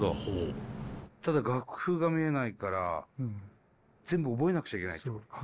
ただ楽譜が見えないから全部覚えなくちゃいけないってことか。